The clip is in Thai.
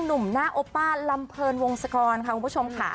หนุ่มหน้าโอป้าลำเพลินวงศกรค่ะคุณผู้ชมค่ะ